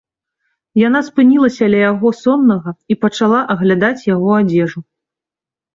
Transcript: Яна спынілася ля яго, соннага, і пачала аглядаць яго адзежу.